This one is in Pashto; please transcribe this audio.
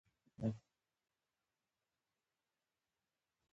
تر مذهب پورته فکر نه شي کولای.